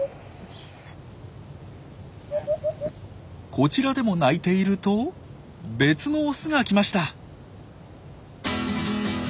こちらでも鳴いていると別のオスが来ました！